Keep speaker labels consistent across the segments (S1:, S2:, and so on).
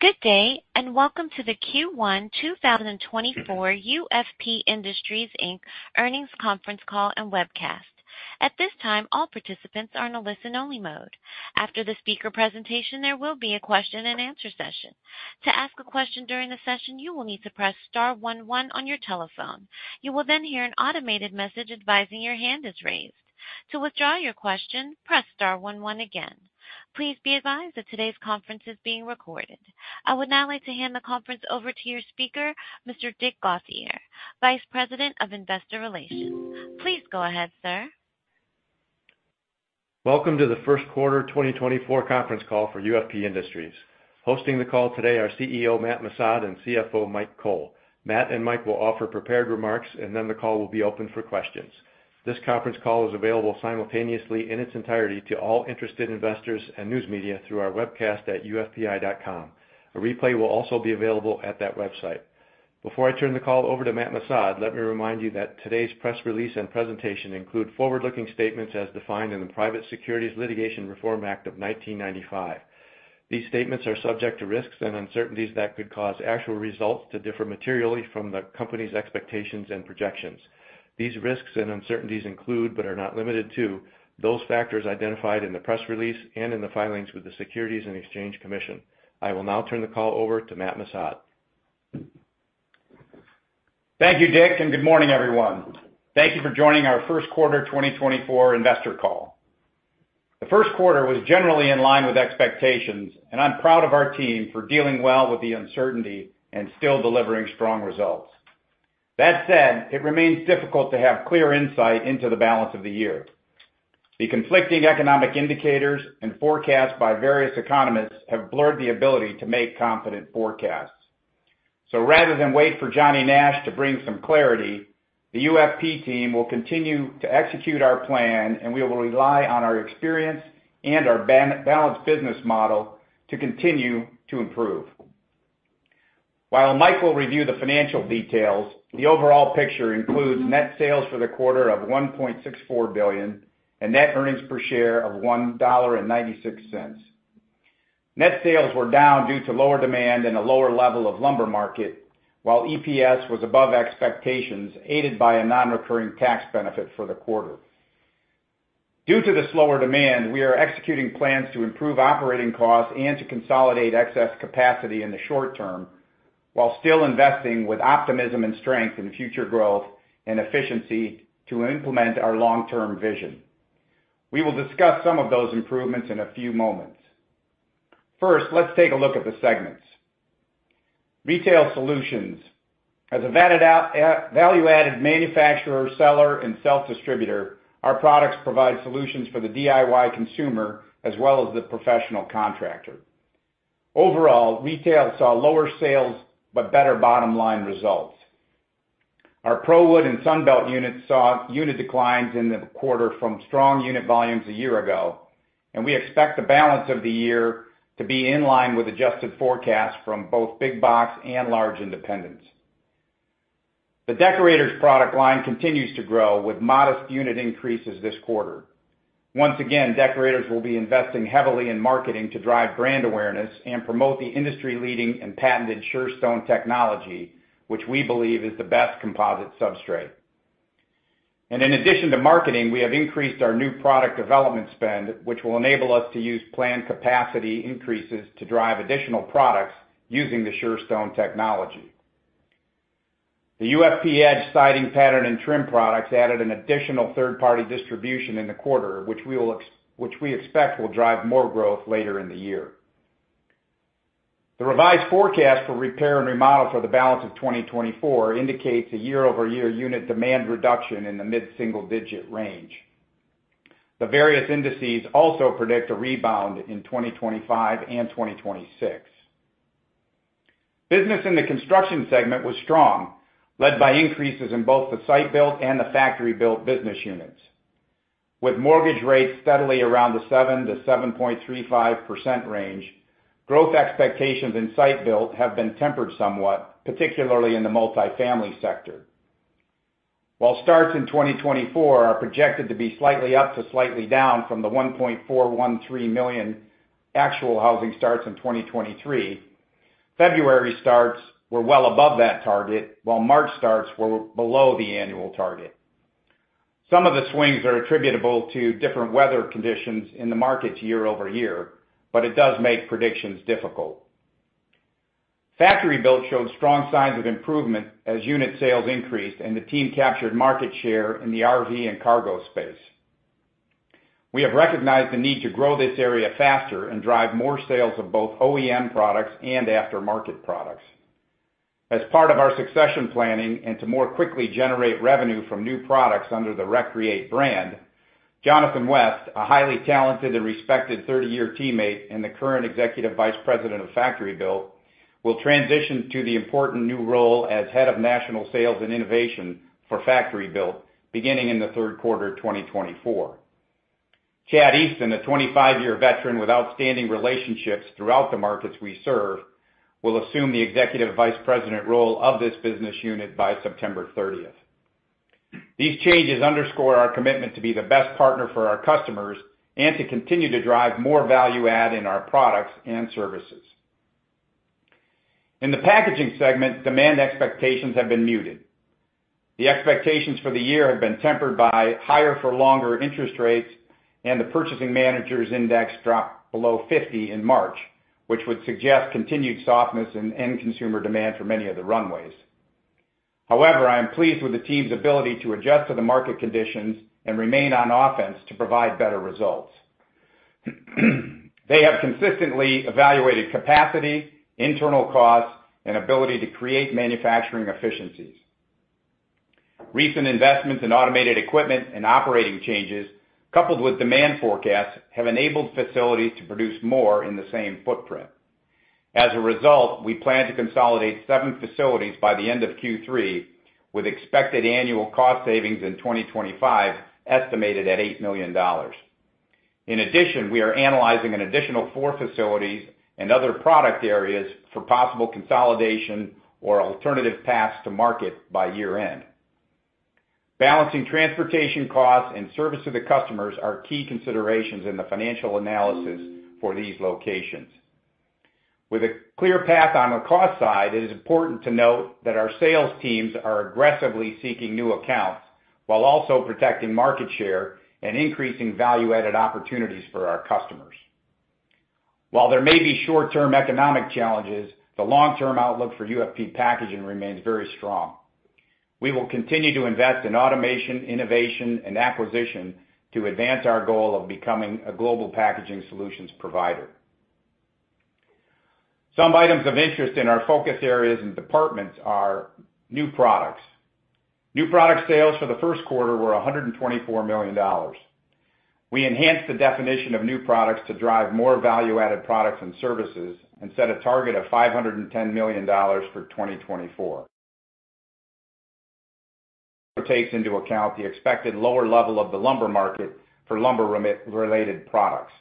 S1: Good day, and welcome to the Q1 2024 UFP Industries Inc. earnings conference call and webcast. At this time, all participants are in a listen-only mode. After the speaker presentation, there will be a question-and-answer session. To ask a question during the session, you will need to press star one one on your telephone. You will then hear an automated message advising your hand is raised. To withdraw your question, press star one one again. Please be advised that today's conference is being recorded. I would now like to hand the conference over to your speaker, Mr. Dick Gauthier, Vice President of Investor Relations. Please go ahead, sir.
S2: Welcome to the first quarter 2024 conference call for UFP Industries. Hosting the call today are CEO Matt Missad and CFO Mike Cole. Matt and Mike will offer prepared remarks, and then the call will be open for questions. This conference call is available simultaneously in its entirety to all interested investors and news media through our webcast at ufpi.com. A replay will also be available at that website. Before I turn the call over to Matt Missad, let me remind you that today's press release and presentation include forward-looking statements as defined in the Private Securities Litigation Reform Act of 1995. These statements are subject to risks and uncertainties that could cause actual results to differ materially from the company's expectations and projections. These risks and uncertainties include, but are not limited to, those factors identified in the press release and in the filings with the Securities and Exchange Commission. I will now turn the call over to Matt Missad.
S3: Thank you, Dick, and good morning, everyone. Thank you for joining our first quarter 2024 investor call. The first quarter was generally in line with expectations, and I'm proud of our team for dealing well with the uncertainty and still delivering strong results. That said, it remains difficult to have clear insight into the balance of the year. The conflicting economic indicators and forecasts by various economists have blurred the ability to make confident forecasts. So rather than wait for Johnny Nash to bring some clarity, the UFP team will continue to execute our plan, and we will rely on our experience and our balanced business model to continue to improve. While Mike will review the financial details, the overall picture includes net sales for the quarter of $1.64 billion and net earnings per share of $1.96. Net sales were down due to lower demand and a lower level of lumber market, while EPS was above expectations, aided by a nonrecurring tax benefit for the quarter. Due to the slower demand, we are executing plans to improve operating costs and to consolidate excess capacity in the short term, while still investing with optimism and strength in future growth and efficiency to implement our long-term vision. We will discuss some of those improvements in a few moments. First, let's take a look at the segments. Retail Solutions. As a value-added manufacturer, seller, and self-distributor, our products provide solutions for the DIY consumer as well as the professional contractor. Overall, retail saw lower sales but better bottom-line results. Our ProWood and Sunbelt units saw unit declines in the quarter from strong unit volumes a year ago, and we expect the balance of the year to be in line with adjusted forecasts from both big box and large independents. The Deckorators product line continues to grow, with modest unit increases this quarter. Once again, Deckorators will be investing heavily in marketing to drive brand awareness and promote the industry-leading and patented Surestone technology, which we believe is the best composite substrate. In addition to marketing, we have increased our new product development spend, which will enable us to use planned capacity increases to drive additional products using the Surestone technology. The UFP Edge siding, pattern, and trim products added an additional third-party distribution in the quarter, which we expect will drive more growth later in the year. The revised forecast for repair and remodel for the balance of 2024 indicates a year-over-year unit demand reduction in the mid-single-digit range. The various indices also predict a rebound in 2025 and 2026. Business in the construction segment was strong, led by increases in both the site-built and the factory-built business units. With mortgage rates steadily around the 7%-7.35% range, growth expectations in site-built have been tempered somewhat, particularly in the multifamily sector. While starts in 2024 are projected to be slightly up to slightly down from the 1.413 million actual housing starts in 2023, February starts were well above that target, while March starts were below the annual target. Some of the swings are attributable to different weather conditions in the markets year-over-year, but it does make predictions difficult. Factory Built showed strong signs of improvement as unit sales increased and the team captured market share in the RV and cargo space. We have recognized the need to grow this area faster and drive more sales of both OEM products and aftermarket products. As part of our succession planning and to more quickly generate revenue from new products under the RecCreate brand, Jonathan West, a highly talented and respected 30-year teammate and the current Executive Vice President of Factory Built, will transition to the important new role as Head of National Sales and Innovation for Factory Built, beginning in the third quarter of 2024. Chad Easton, a 25-year veteran with outstanding relationships throughout the markets we serve, will assume the Executive Vice President role of this business unit by September 30th. These changes underscore our commitment to be the best partner for our customers and to continue to drive more value add in our products and services. In the packaging segment, demand expectations have been muted. The expectations for the year have been tempered by higher for longer interest rates, and the Purchasing Managers' Index dropped below 50 in March, which would suggest continued softness in end consumer demand for many of the runways. However, I am pleased with the team's ability to adjust to the market conditions and remain on offense to provide better results. They have consistently evaluated capacity, internal costs, and ability to create manufacturing efficiencies. Recent investments in automated equipment and operating changes, coupled with demand forecasts, have enabled facilities to produce more in the same footprint. As a result, we plan to consolidate 7 facilities by the end of Q3, with expected annual cost savings in 2025, estimated at $8 million. In addition, we are analyzing an additional 4 facilities and other product areas for possible consolidation or alternative paths to market by year-end. Balancing transportation costs and service to the customers are key considerations in the financial analysis for these locations. With a clear path on the cost side, it is important to note that our sales teams are aggressively seeking new accounts, while also protecting market share and increasing value-added opportunities for our customers. While there may be short-term economic challenges, the long-term outlook for UFP Packaging remains very strong. We will continue to invest in automation, innovation, and acquisition to advance our goal of becoming a global packaging solutions provider. Some items of interest in our focus areas and departments are new products. New product sales for the first quarter were $124 million. We enhanced the definition of new products to drive more value-added products and services and set a target of $510 million for 2024. Takes into account the expected lower level of the lumber market for lumber remit-related products.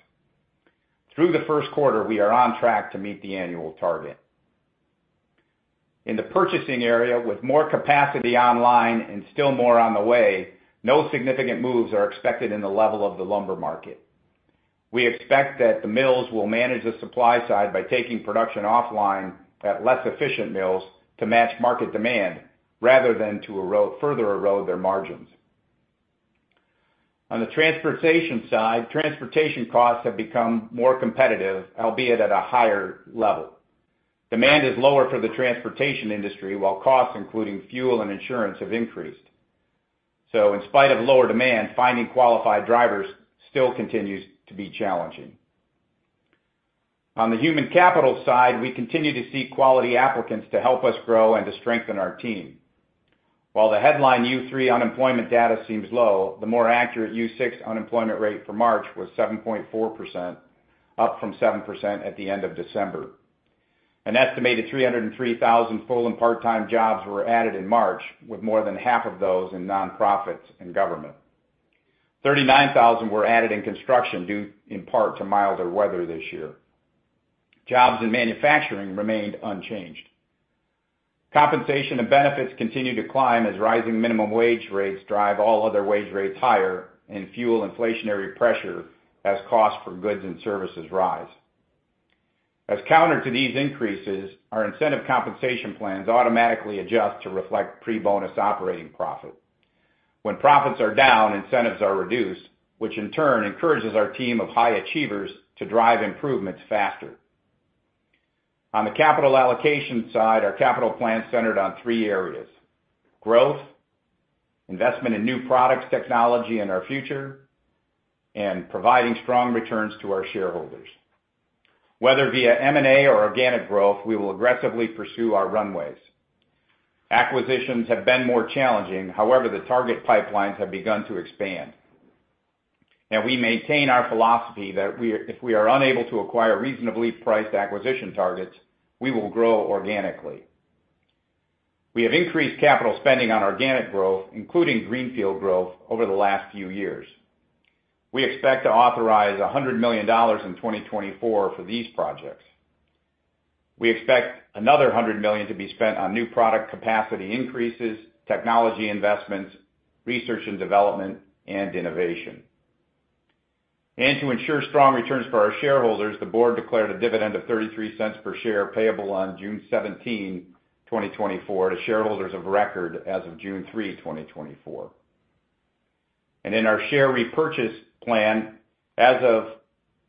S3: Through the first quarter, we are on track to meet the annual target. In the purchasing area, with more capacity online and still more on the way, no significant moves are expected in the level of the lumber market. We expect that the mills will manage the supply side by taking production offline at less efficient mills to match market demand, rather than to further erode their margins. On the transportation side, transportation costs have become more competitive, albeit at a higher level. Demand is lower for the transportation industry, while costs, including fuel and insurance, have increased. So in spite of lower demand, finding qualified drivers still continues to be challenging. On the human capital side, we continue to see quality applicants to help us grow and to strengthen our team. While the headline U-3 unemployment data seems low, the more accurate U-6 unemployment rate for March was 7.4%, up from 7% at the end of December. An estimated 303,000 full and part-time jobs were added in March, with more than half of those in nonprofits and government. 39,000 were added in construction, due in part to milder weather this year. Jobs in manufacturing remained unchanged. Compensation and benefits continue to climb as rising minimum wage rates drive all other wage rates higher and fuel inflationary pressure as costs for goods and services rise. As counter to these increases, our incentive compensation plans automatically adjust to reflect pre-bonus operating profit. When profits are down, incentives are reduced, which in turn encourages our team of high achievers to drive improvements faster. On the capital allocation side, our capital plan is centered on three areas: growth, investment in new products, technology, and our future, and providing strong returns to our shareholders. Whether via M&A or organic growth, we will aggressively pursue our runways. Acquisitions have been more challenging. However, the target pipelines have begun to expand. We maintain our philosophy that if we are unable to acquire reasonably priced acquisition targets, we will grow organically. We have increased capital spending on organic growth, including greenfield growth, over the last few years. We expect to authorize $100 million in 2024 for these projects. We expect another $100 million to be spent on new product capacity increases, technology investments, research and development, and innovation. To ensure strong returns for our shareholders, the board declared a dividend of $0.33 per share, payable on June 17, 2024, to shareholders of record as of June 3, 2024. In our share repurchase plan, as of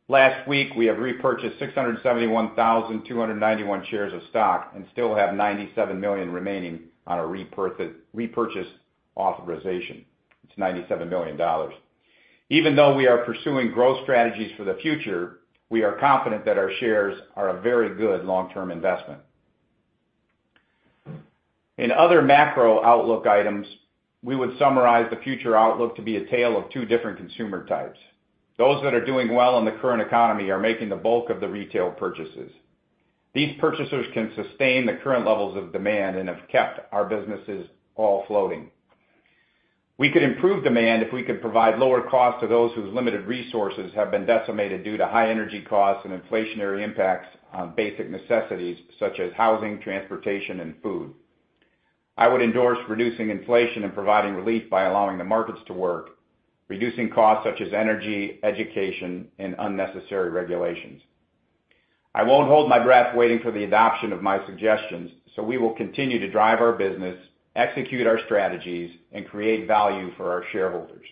S3: last week, we have repurchased 671,291 shares of stock and still have $97 million remaining on a repurchase authorization. It's $97 million. Even though we are pursuing growth strategies for the future, we are confident that our shares are a very good long-term investment. In other macro outlook items, we would summarize the future outlook to be a tale of two different consumer types. Those that are doing well in the current economy are making the bulk of the retail purchases. These purchasers can sustain the current levels of demand and have kept our businesses all floating. We could improve demand if we could provide lower costs to those whose limited resources have been decimated due to high energy costs and inflationary impacts on basic necessities such as housing, transportation, and food. I would endorse reducing inflation and providing relief by allowing the markets to work, reducing costs such as energy, education, and unnecessary regulations. I won't hold my breath waiting for the adoption of my suggestions, so we will continue to drive our business, execute our strategies, and create value for our shareholders.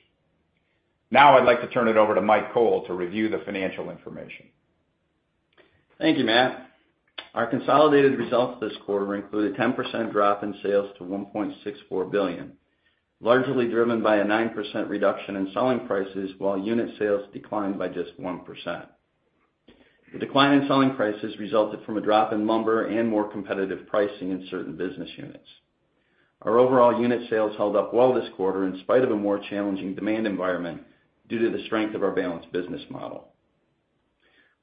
S3: Now, I'd like to turn it over to Mike Cole to review the financial information.
S4: Thank you, Matt. Our consolidated results this quarter included a 10% drop in sales to $1.64 billion, largely driven by a 9% reduction in selling prices, while unit sales declined by just 1%. The decline in selling prices resulted from a drop in lumber and more competitive pricing in certain business units. Our overall unit sales held up well this quarter, in spite of a more challenging demand environment, due to the strength of our balanced business model.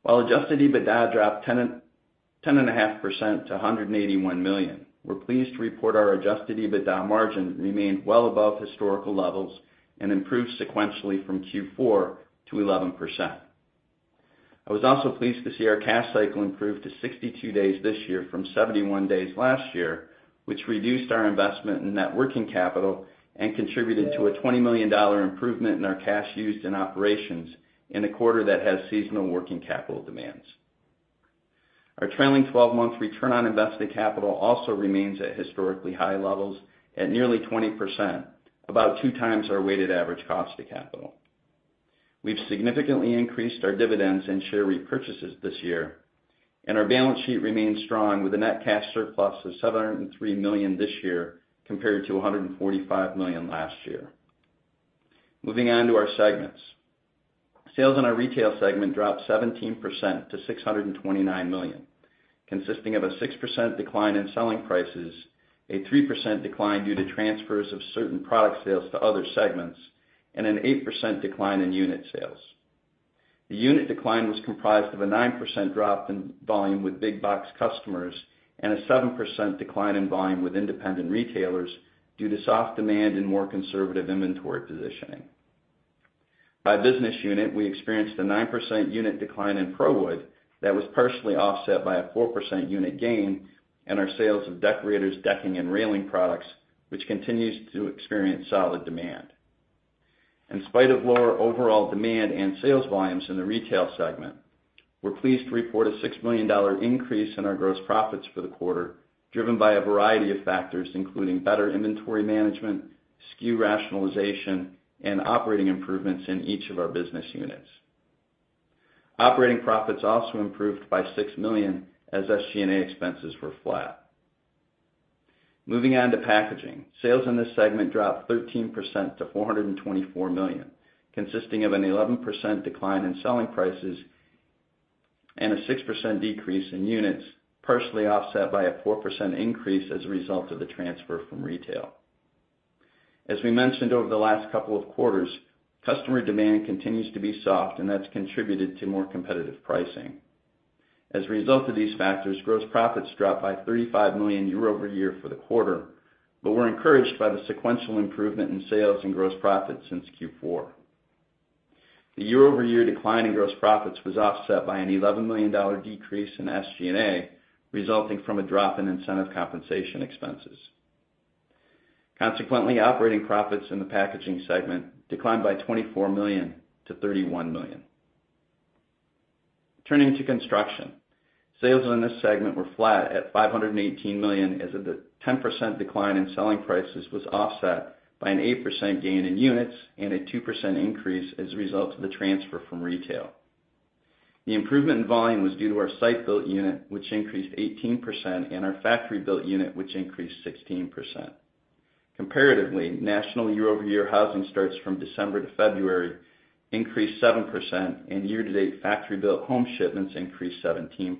S4: While adjusted EBITDA dropped 10.5% to $181 million, we're pleased to report our adjusted EBITDA margin remained well above historical levels and improved sequentially from Q4 to 11%. I was also pleased to see our cash cycle improve to 62 days this year from 71 days last year, which reduced our investment in net working capital and contributed to a $20 million improvement in our cash used in operations in a quarter that has seasonal working capital demands. Our trailing twelve-month return on invested capital also remains at historically high levels, at nearly 20%, about 2 times our weighted average cost of capital. We've significantly increased our dividends and share repurchases this year, and our balance sheet remains strong, with a net cash surplus of $703 million this year compared to $145 million last year. Moving on to our segments. Sales in our retail segment dropped 17% to $629 million, consisting of a 6% decline in selling prices, a 3% decline due to transfers of certain product sales to other segments, and an 8% decline in unit sales. The unit decline was comprised of a 9% drop in volume with big box customers and a 7% decline in volume with independent retailers due to soft demand and more conservative inventory positioning. By business unit, we experienced a 9% unit decline in ProWood that was partially offset by a 4% unit gain in our sales of Deckorators decking and railing products, which continues to experience solid demand. In spite of lower overall demand and sales volumes in the retail segment, we're pleased to report a $6 million increase in our gross profits for the quarter, driven by a variety of factors, including better inventory management, SKU rationalization, and operating improvements in each of our business units. Operating profits also improved by $6 million, as SG&A expenses were flat. Moving on to packaging. Sales in this segment dropped 13% to $424 million, consisting of an 11% decline in selling prices and a 6% decrease in units, partially offset by a 4% increase as a result of the transfer from retail. As we mentioned over the last couple of quarters, customer demand continues to be soft, and that's contributed to more competitive pricing. As a result of these factors, gross profits dropped by $35 million year-over-year for the quarter, but we're encouraged by the sequential improvement in sales and gross profits since Q4. The year-over-year decline in gross profits was offset by an $11 million decrease in SG&A, resulting from a drop in incentive compensation expenses. Consequently, operating profits in the packaging segment declined by $24 million to $31 million. Turning to construction. Sales in this segment were flat at $518 million, as the 10% decline in selling prices was offset by an 8% gain in units and a 2% increase as a result of the transfer from retail. The improvement in volume was due to our site-built unit, which increased 18%, and our factory-built unit, which increased 16%. Comparatively, national year-over-year housing starts from December to February increased 7%, and year-to-date factory-built home shipments increased 17%.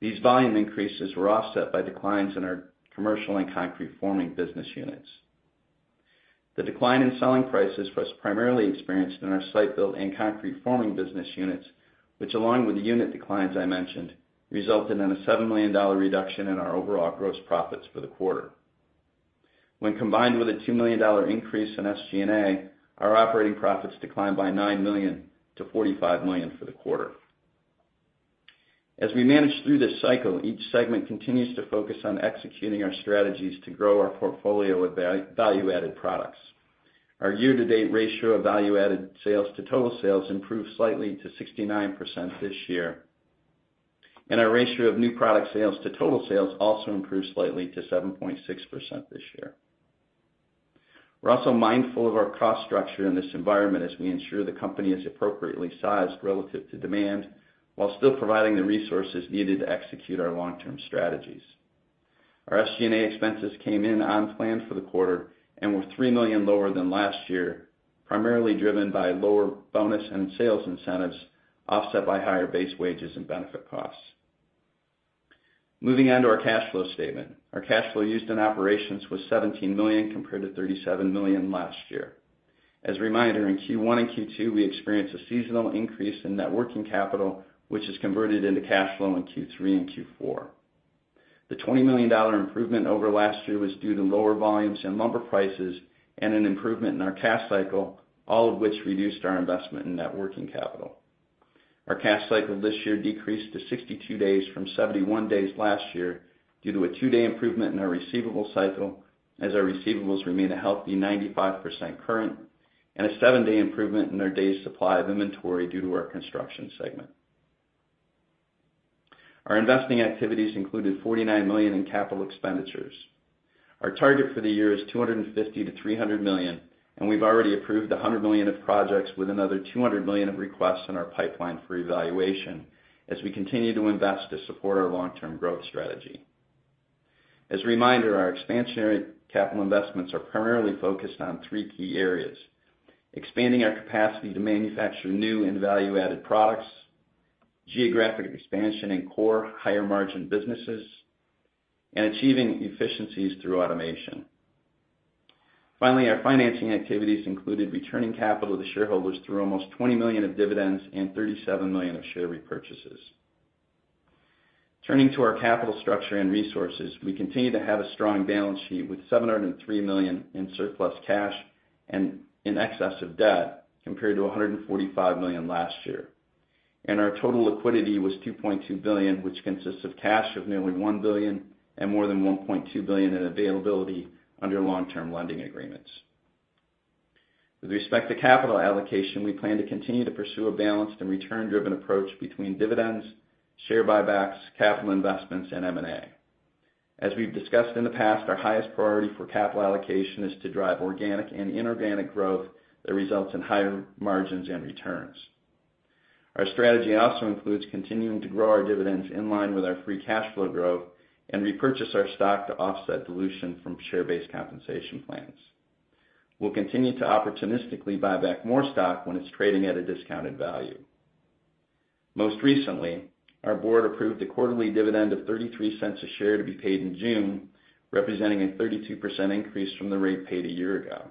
S4: These volume increases were offset by declines in our commercial and concrete forming business units. The decline in selling prices was primarily experienced in our site-built and concrete forming business units, which, along with the unit declines I mentioned, resulted in a $7 million reduction in our overall gross profits for the quarter. When combined with a $2 million increase in SG&A, our operating profits declined by $9 million to $45 million for the quarter. As we manage through this cycle, each segment continues to focus on executing our strategies to grow our portfolio of value-added products. Our year-to-date ratio of value-added sales to total sales improved slightly to 69% this year, and our ratio of new product sales to total sales also improved slightly to 7.6% this year. We're also mindful of our cost structure in this environment as we ensure the company is appropriately sized relative to demand, while still providing the resources needed to execute our long-term strategies. Our SG&A expenses came in on plan for the quarter and were $3 million lower than last year, primarily driven by lower bonus and sales incentives, offset by higher base wages and benefit costs. Moving on to our cash flow statement. Our cash flow used in operations was $17 million, compared to $37 million last year. As a reminder, in Q1 and Q2, we experienced a seasonal increase in net working capital, which is converted into cash flow in Q3 and Q4. The $20 million improvement over last year was due to lower volumes and lumber prices and an improvement in our cash cycle, all of which reduced our investment in net working capital. Our cash cycle this year decreased to 62 days from 71 days last year, due to a 2-day improvement in our receivable cycle, as our receivables remain a healthy 95% current, and a 7-day improvement in our days supply of inventory due to our construction segment. Our investing activities included $49 million in capital expenditures. Our target for the year is $250 million-$300 million, and we've already approved $100 million of projects with another $200 million of requests in our pipeline for evaluation as we continue to invest to support our long-term growth strategy. As a reminder, our expansionary capital investments are primarily focused on three key areas: expanding our capacity to manufacture new and value-added products, geographic expansion in core, higher-margin businesses, and achieving efficiencies through automation. Finally, our financing activities included returning capital to shareholders through almost $20 million of dividends and $37 million of share repurchases. Turning to our capital structure and resources, we continue to have a strong balance sheet, with $703 million in surplus cash and in excess of debt, compared to $145 million last year. Our total liquidity was $2.2 billion, which consists of cash of nearly $1 billion and more than $1.2 billion in availability under long-term lending agreements. With respect to capital allocation, we plan to continue to pursue a balanced and return-driven approach between dividends, share buybacks, capital investments, and M&A. As we've discussed in the past, our highest priority for capital allocation is to drive organic and inorganic growth that results in higher margins and returns. Our strategy also includes continuing to grow our dividends in line with our free cash flow growth and repurchase our stock to offset dilution from share-based compensation plans. We'll continue to opportunistically buy back more stock when it's trading at a discounted value. Most recently, our board approved a quarterly dividend of $0.33 a share to be paid in June, representing a 32% increase from the rate paid a year ago.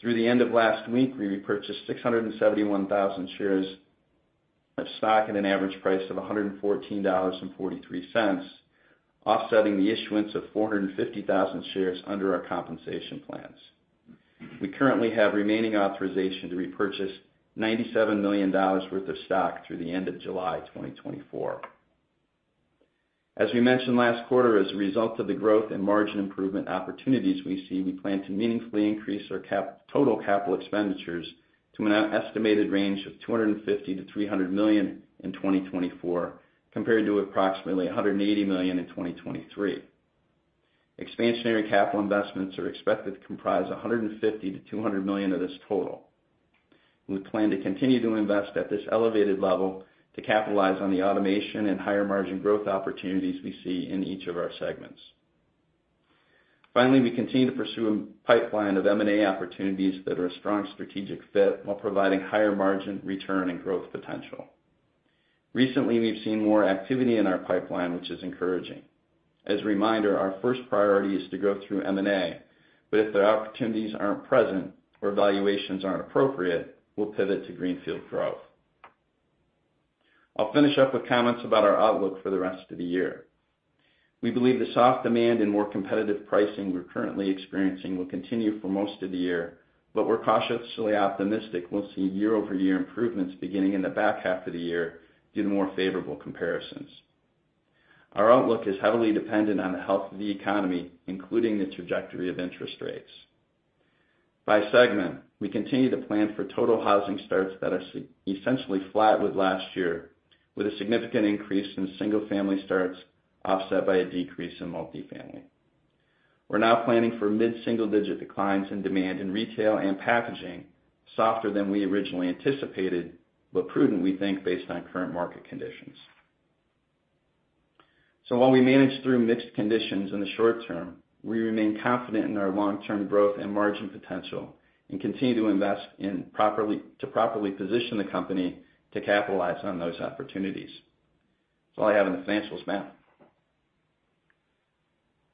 S4: Through the end of last week, we repurchased 671,000 shares of stock at an average price of $114.43, offsetting the issuance of 450,000 shares under our compensation plans. We currently have remaining authorization to repurchase $97 million worth of stock through the end of July 2024. As we mentioned last quarter, as a result of the growth and margin improvement opportunities we see, we plan to meaningfully increase our capital expenditures to an estimated range of $250 million-$300 million in 2024, compared to approximately $180 million in 2023. Expansionary capital investments are expected to comprise $150 million-$200 million of this total. We plan to continue to invest at this elevated level to capitalize on the automation and higher-margin growth opportunities we see in each of our segments. Finally, we continue to pursue a pipeline of M&A opportunities that are a strong strategic fit while providing higher margin, return, and growth potential. Recently, we've seen more activity in our pipeline, which is encouraging. As a reminder, our first priority is to grow through M&A, but if the opportunities aren't present or valuations aren't appropriate, we'll pivot to greenfield growth. I'll finish up with comments about our outlook for the rest of the year. We believe the soft demand and more competitive pricing we're currently experiencing will continue for most of the year, but we're cautiously optimistic we'll see year-over-year improvements beginning in the back half of the year due to more favorable comparisons. Our outlook is heavily dependent on the health of the economy, including the trajectory of interest rates. By segment, we continue to plan for total housing starts that are essentially flat with last year, with a significant increase in single-family starts, offset by a decrease in multifamily. We're now planning for mid-single-digit declines in demand in retail and packaging, softer than we originally anticipated, but prudent, we think, based on current market conditions. So while we manage through mixed conditions in the short term, we remain confident in our long-term growth and margin potential and continue to invest to properly position the company to capitalize on those opportunities. That's all I have on the financials, Matt.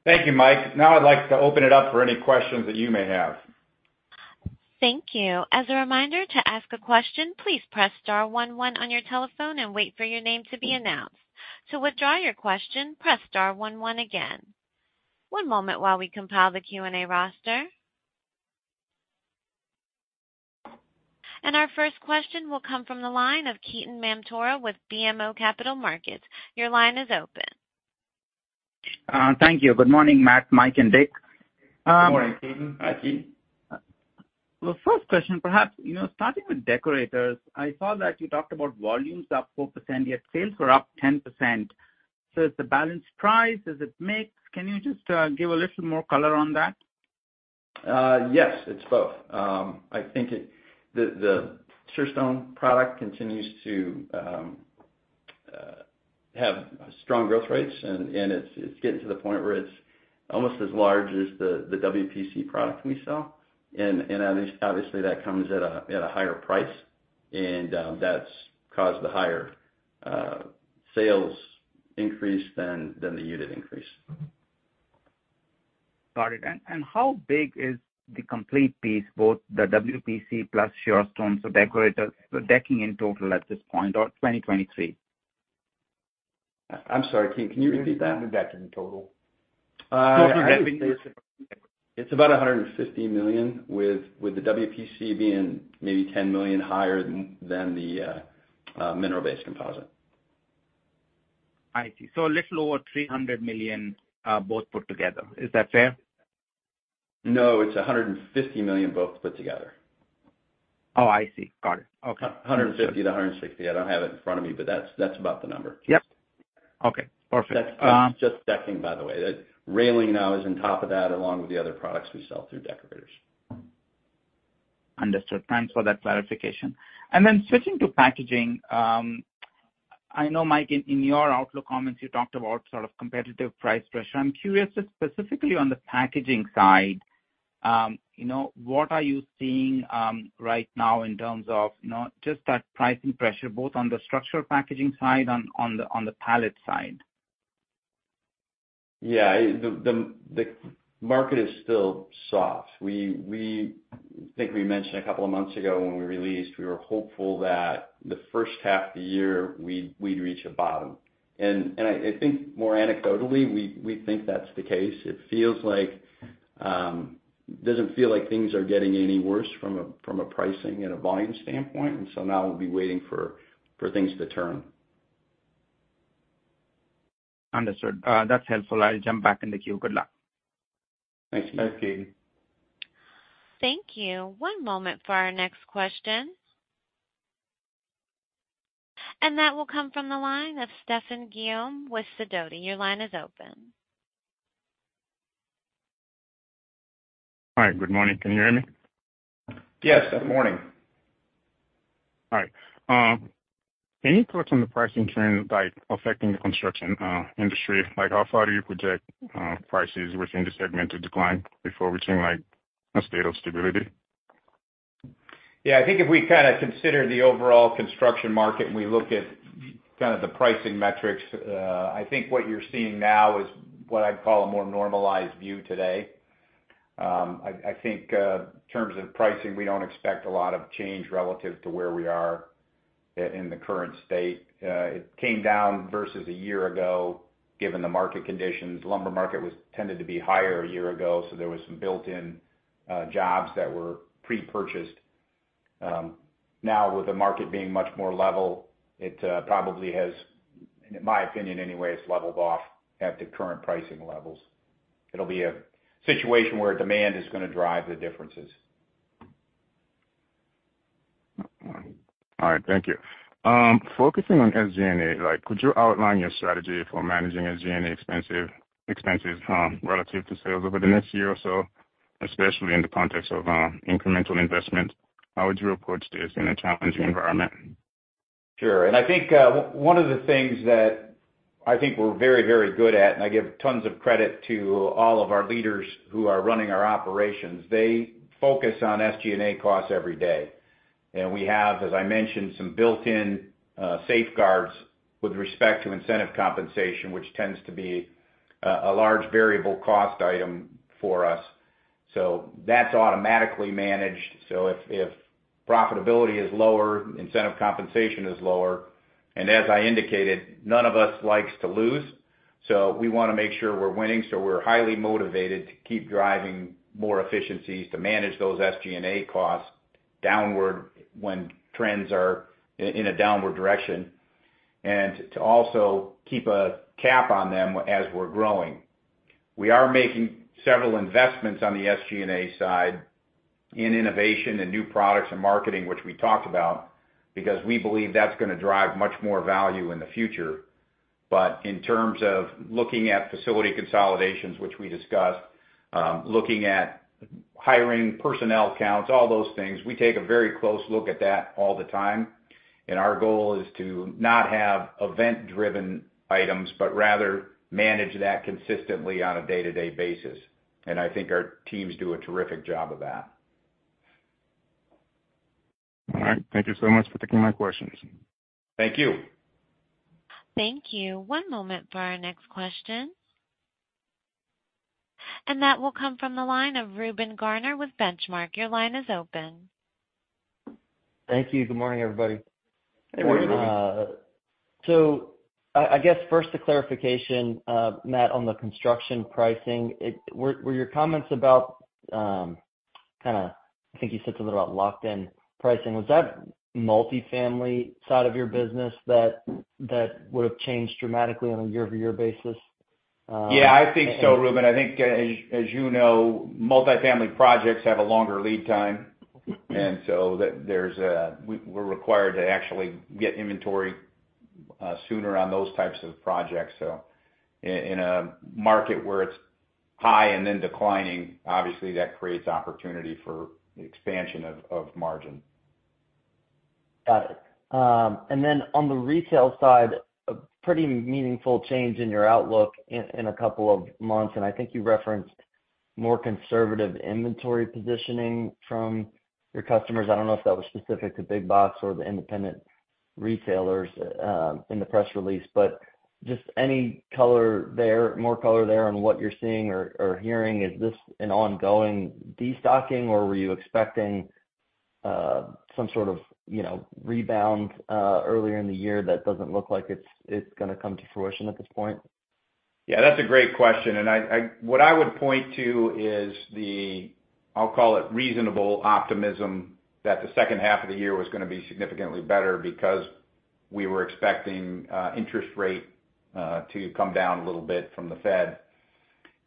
S3: Thank you, Mike. Now, I'd like to open it up for any questions that you may have.
S1: Thank you. As a reminder, to ask a question, please press star one one on your telephone and wait for your name to be announced. To withdraw your question, press star one one again. One moment while we compile the Q&A roster. Our first question will come from the line of Ketan Mamtora with BMO Capital Markets. Your line is open.
S5: Thank you. Good morning, Matt, Mike, and Dick.
S3: Good morning, Ketan.
S4: Hi, Ketan.
S5: Well, first question, perhaps, you know, starting with Deckorators, I saw that you talked about volumes up 4%, yet sales were up 10%. So is it the balance price? Is it mix? Can you just give a little more color on that?
S4: Yes, it's both. I think the Surestone product continues to have strong growth rates, and it's getting to the point where it's almost as large as the WPC product we sell. And obviously, that comes at a higher price, and that's caused the higher sales increase than the unit increase.
S5: Got it. And how big is the complete piece, both the WPC plus Surestone, so Deckorators, the decking in total at this point or 2023?
S3: I'm sorry, can you repeat that?
S5: The decking total.
S3: It's about $150 million, with the WPC being maybe $10 million higher than the mineral-based composite.
S5: I see. So a little over $300 million, both put together. Is that fair?
S3: No, it's $150 million, both put together.
S5: Oh, I see. Got it. Okay.
S3: 150-160. I don't have it in front of me, but that's, that's about the number.
S5: Yep. Okay, perfect.
S3: That's just decking, by the way. That railing now is on top of that, along with the other products we sell through Deckorators.
S5: Understood. Thanks for that clarification. And then switching to packaging, I know, Mike, in your outlook comments, you talked about sort of competitive price pressure. I'm curious, just specifically on the packaging side, you know, what are you seeing, right now in terms of, you know, just that pricing pressure, both on the structural packaging side, on the pallet side?
S4: Yeah. The market is still soft. We -- I think we mentioned a couple of months ago when we released, we were hopeful that the first half of the year, we'd reach a bottom. And I think more anecdotally, we think that's the case. It feels like, doesn't feel like things are getting any worse from a pricing and a volume standpoint, and so now we'll be waiting for things to turn.
S5: Understood. That's helpful. I'll jump back in the queue. Good luck.
S4: Thanks.
S3: Thanks, Ketan.
S1: Thank you. One moment for our next question. That will come from the line of Stephane Guillaume with Sidoti. Your line is open.
S6: Hi, good morning. Can you hear me?
S3: Yes. Good morning.
S6: All right. Any thoughts on the pricing trend, like, affecting the construction industry? Like, how far do you project prices within this segment to decline before reaching like a state of stability?
S3: Yeah, I think if we kind of consider the overall construction market, and we look at kind of the pricing metrics, I think what you're seeing now is what I'd call a more normalized view today. I think, in terms of pricing, we don't expect a lot of change relative to where we are in the current state. It came down versus a year ago, given the market conditions. Lumber market tended to be higher a year ago, so there was some built-in jobs that were pre-purchased. Now with the market being much more level, it probably has, in my opinion anyway, it's leveled off at the current pricing levels. It'll be a situation where demand is going to drive the differences.
S6: All right. Thank you. Focusing on SG&A, like, could you outline your strategy for managing SG&A expenses, relative to sales over the next year or so, especially in the context of incremental investment? How would you approach this in a challenging environment?
S3: Sure. And I think, one of the things that I think we're very, very good at, and I give tons of credit to all of our leaders who are running our operations, they focus on SG&A costs every day. And we have, as I mentioned, some built-in safeguards with respect to incentive compensation, which tends to be a large variable cost item for us. So that's automatically managed. So if, if profitability is lower, incentive compensation is lower. And as I indicated, none of us likes to lose, so we wanna make sure we're winning. So we're highly motivated to keep driving more efficiencies to manage those SG&A costs downward when trends are in a downward direction, and to also keep a cap on them as we're growing. We are making several investments on the SG&A side in innovation and new products and marketing, which we talked about, because we believe that's going to drive much more value in the future. But in terms of looking at facility consolidations, which we discussed, looking at hiring, personnel counts, all those things, we take a very close look at that all the time. And our goal is to not have event-driven items, but rather manage that consistently on a day-to-day basis. And I think our teams do a terrific job of that.
S6: All right. Thank you so much for taking my questions.
S3: Thank you.
S1: Thank you. One moment for our next question. That will come from the line of Reuben Garner with Benchmark. Your line is open.
S7: Thank you. Good morning, everybody.
S3: Hey, Reuben.
S7: So, I guess first a clarification, Matt, on the construction pricing. Were your comments about, kind of, I think you said something about locked-in pricing, was that multifamily side of your business that would have changed dramatically on a year-over-year basis?
S3: Yeah, I think so, Reuben. I think, as, as you know, multifamily projects have a longer lead time, and so there, there's, we're, we're required to actually get inventory sooner on those types of projects. So in a market where it's high and then declining, obviously that creates opportunity for expansion of margin.
S7: Got it. And then on the retail side, a pretty meaningful change in your outlook in a couple of months, and I think you referenced more conservative inventory positioning from your customers. I don't know if that was specific to big box or the independent retailers in the press release. But just any color there, more color there on what you're seeing or hearing? Is this an ongoing destocking, or were you expecting some sort of, you know, rebound earlier in the year that doesn't look like it's gonna come to fruition at this point?
S3: Yeah, that's a great question, and I what I would point to is the, I'll call it reasonable optimism, that the second half of the year was gonna be significantly better because we were expecting interest rate to come down a little bit from the Fed.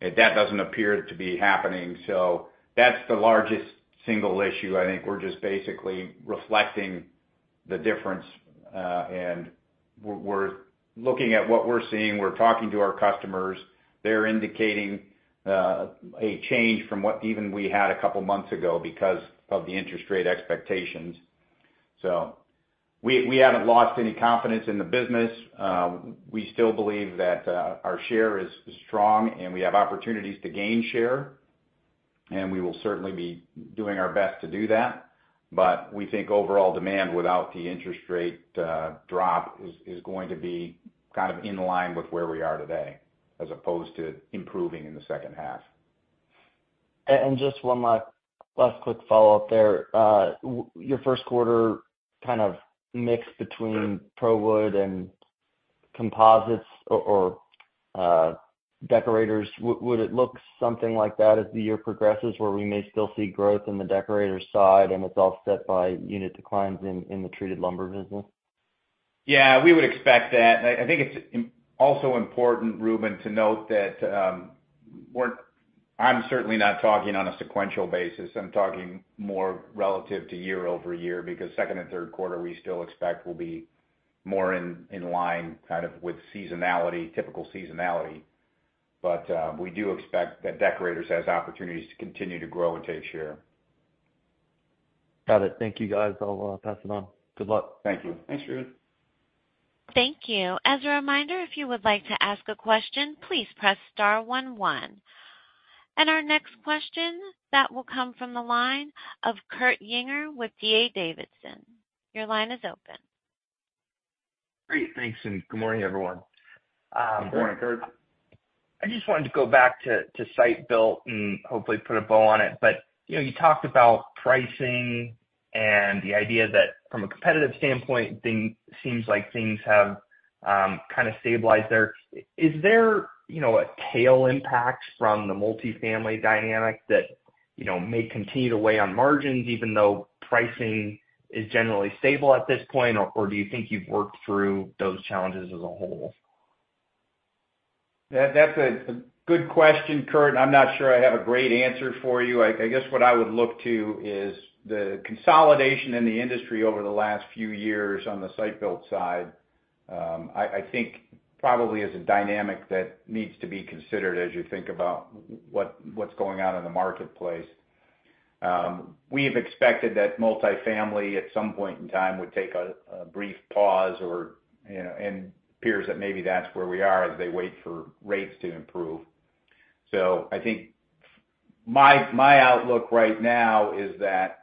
S3: And that doesn't appear to be happening, so that's the largest single issue. I think we're just basically reflecting the difference, and we're looking at what we're seeing, we're talking to our customers. They're indicating a change from what even we had a couple months ago because of the interest rate expectations. So we haven't lost any confidence in the business. We still believe that our share is strong, and we have opportunities to gain share, and we will certainly be doing our best to do that. But we think overall demand without the interest rate drop is going to be kind of in line with where we are today, as opposed to improving in the second half.
S7: And just one last, last quick follow-up there. Your first quarter kind of mix between ProWood and composites or Deckorators, would it look something like that as the year progresses, where we may still see growth in the Deckorators side, and it's offset by unit declines in the treated lumber business?
S3: Yeah, we would expect that. I think it's also important, Reuben, to note that, we're. I'm certainly not talking on a sequential basis. I'm talking more relative to year-over-year, because second and third quarter, we still expect will be more in line, kind of with seasonality, typical seasonality. But, we do expect that Deckorators has opportunities to continue to grow and take share.
S7: Got it. Thank you, guys. I'll pass it on. Good luck.
S3: Thank you.
S4: Thanks, Reuben.
S1: Thank you. As a reminder, if you would like to ask a question, please press star one one. Our next question, that will come from the line of Kurt Yinger with D.A. Davidson. Your line is open.
S8: Great. Thanks, and good morning, everyone.
S3: Good morning, Kurt.
S8: I just wanted to go back to site built and hopefully put a bow on it. But, you know, you talked about pricing and the idea that from a competitive standpoint, seems like things have kind of stabilized there. Is there, you know, a tail impact from the multifamily dynamic that, you know, may continue to weigh on margins, even though pricing is generally stable at this point, or do you think you've worked through those challenges as a whole?
S3: That's a good question, Kurt. I'm not sure I have a great answer for you. I guess what I would look to is the consolidation in the industry over the last few years on the site-built side. I think probably is a dynamic that needs to be considered as you think about what's going on in the marketplace. We've expected that multifamily, at some point in time, would take a brief pause or, you know, and appears that maybe that's where we are as they wait for rates to improve. So I think my outlook right now is that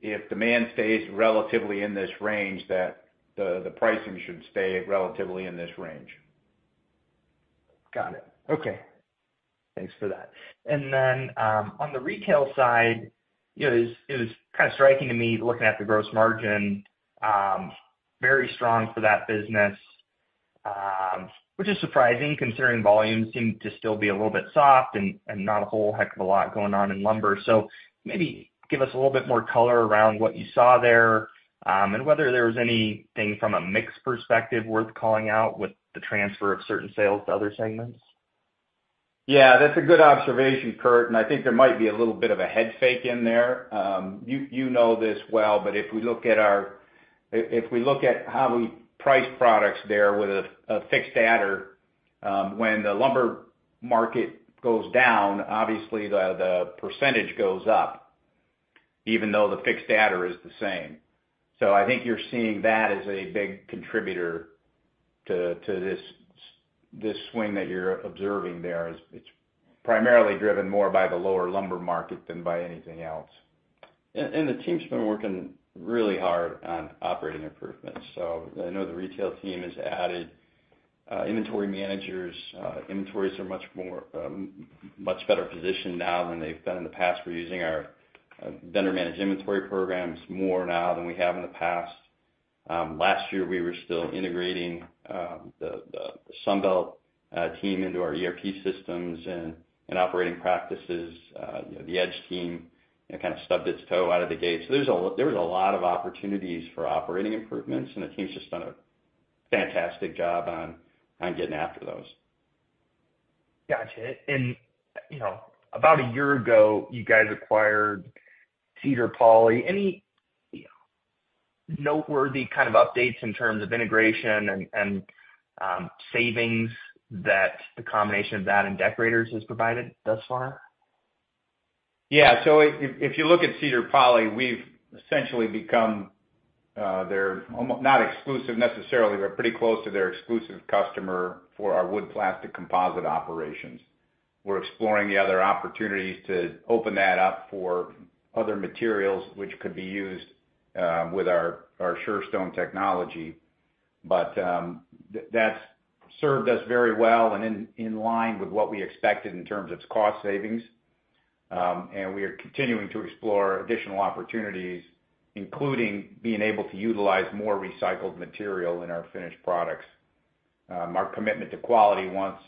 S3: if demand stays relatively in this range, that the pricing should stay relatively in this range.
S8: Got it. Okay. Thanks for that. And then, on the retail side, it was kind of striking to me, looking at the gross margin, very strong for that business, which is surprising, considering volumes seem to still be a little bit soft and not a whole heck of a lot going on in lumber. So maybe give us a little bit more color around what you saw there, and whether there was anything from a mix perspective worth calling out with the transfer of certain sales to other segments.
S3: Yeah, that's a good observation, Kurt, and I think there might be a little bit of a head fake in there. You know this well, but if we look at how we price products there with a fixed adder, when the lumber market goes down, obviously, the percentage goes up, even though the fixed adder is the same. So I think you're seeing that as a big contributor to this swing that you're observing there. It's primarily driven more by the lower lumber market than by anything else.
S4: The team's been working really hard on operating improvements. So I know the retail team has added inventory managers. Inventories are much more much better positioned now than they've been in the past. We're using our vendor managed inventory programs more now than we have in the past. Last year, we were still integrating the Sunbelt team into our ERP systems and operating practices. You know, the Edge team, you know, kind of stubbed its toe out of the gate. So there was a lot of opportunities for operating improvements, and the team's just done a fantastic job on getting after those.
S8: Gotcha. You know, about a year ago, you guys acquired Cedar Poly. Any noteworthy kind of updates in terms of integration and savings that the combination of that and Deckorators has provided thus far?
S3: Yeah, so if you look at Cedar Poly, we've essentially become almost their exclusive customer for our wood plastic composite operations. We're exploring other opportunities to open that up for other materials which could be used with our Surestone technology. But that's served us very well and in line with what we expected in terms of its cost savings. And we are continuing to explore additional opportunities, including being able to utilize more recycled material in our finished products. Our commitment to quality once,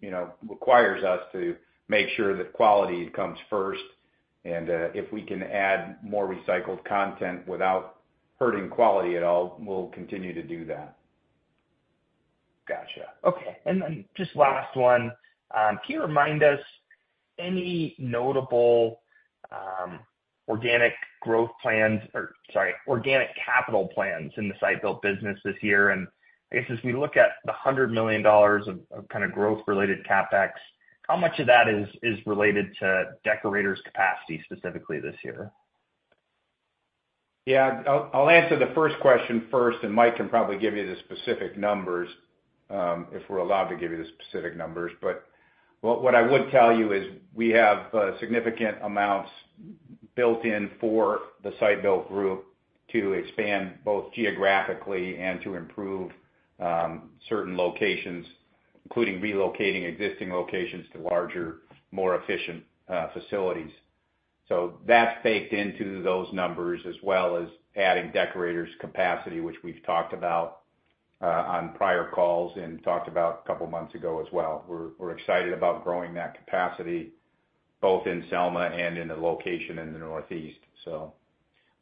S3: you know, requires us to make sure that quality comes first, and if we can add more recycled content without hurting quality at all, we'll continue to do that.
S8: Gotcha. Okay, and then just last one. Can you remind us any notable organic growth plans, or sorry, organic capital plans in the site-built business this year? And I guess, as we look at the $100 million of kind of growth-related CapEx, how much of that is related to Deckorators capacity specifically this year?
S3: Yeah, I'll answer the first question first, and Mike can probably give you the specific numbers if we're allowed to give you the specific numbers. But what I would tell you is we have significant amounts built in for the site-built group to expand both geographically and to improve certain locations, including relocating existing locations to larger, more efficient facilities. So that's baked into those numbers, as well as adding Deckorators capacity, which we've talked about on prior calls and talked about a couple of months ago as well. We're excited about growing that capacity both in Selma and in the location in the Northeast. So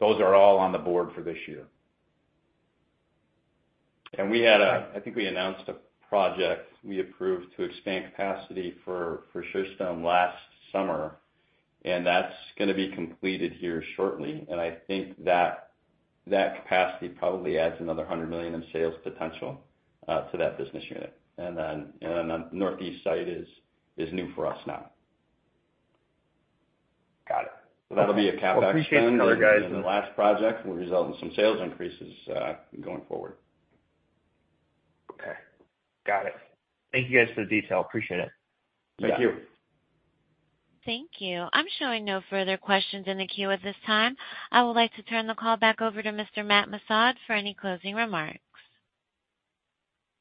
S3: those are all on the board for this year.
S4: We had I think we announced a project we approved to expand capacity for Surestone last summer, and that's gonna be completed here shortly. I think that capacity probably adds another $100 million in sales potential to that business unit. Then Northeast site is new for us now.
S8: Got it.
S4: So that'll be a CapEx spend.
S8: Well, appreciate the color, guys.
S4: The last project will result in some sales increases going forward.
S8: Okay. Got it. Thank you, guys, for the detail. Appreciate it.
S3: Thank you.
S1: Thank you. I'm showing no further questions in the queue at this time. I would like to turn the call back over to Mr. Matt Missad for any closing remarks.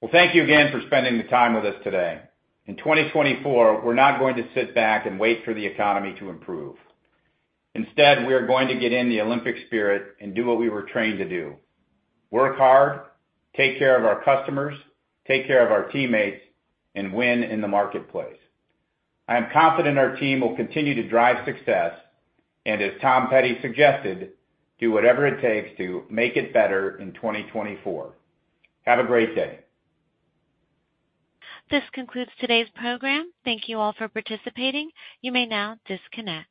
S3: Well, thank you again for spending the time with us today. In 2024, we're not going to sit back and wait for the economy to improve. Instead, we are going to get in the Olympic spirit and do what we were trained to do: work hard, take care of our customers, take care of our teammates, and win in the marketplace. I am confident our team will continue to drive success, and as Tom Petty suggested, do whatever it takes to make it better in 2024. Have a great day.
S1: This concludes today's program. Thank you all for participating. You may now disconnect.